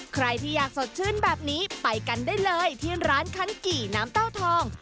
ใครที่อยากสดชื่นแบบนี้ไปกันได้เลยที่ร้านคันกี่น้ำเต้าทอง